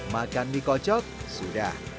makan mie kocok sudah